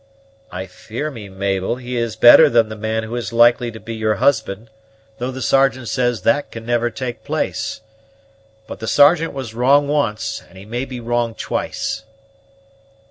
"I fear me, Mabel, he is better than the man who is likely to be your husband, though the Sergeant says that never can take place. But the Sergeant was wrong once, and he may be wrong twice."